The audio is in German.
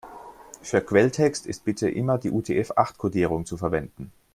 Für Quelltext ist bitte immer die UTF-acht-Kodierung zu verwenden.